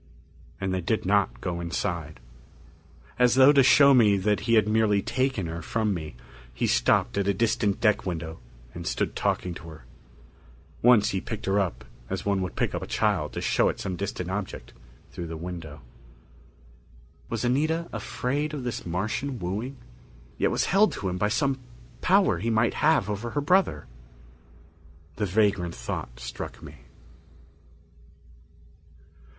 And they did not go inside. As though to show me that he had merely taken her from me, he stopped at a distant deck window and stood talking to her. Once he picked her up as one would pick up a child to show it some distant object through the window. Was Anita afraid of this Martian's wooing? Yet was held to him by some power he might have over her brother? The vagrant thought struck me.